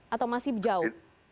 atau masih jauh